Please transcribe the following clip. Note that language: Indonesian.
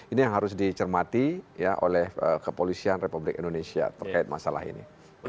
ini yang harus dicermati oleh kepolisian republik indonesia terkait masalah ini